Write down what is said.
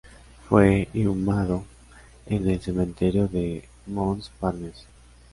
Fue inhumado en el Cementerio de Montparnasse.